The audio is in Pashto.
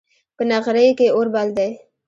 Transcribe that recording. په نغري کې اور بل دی